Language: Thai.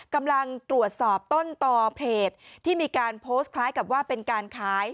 กำลังตรวจสอบต้นต่อเพจที่มีการโพสต์คล้ายกับว่าเป็นการขาย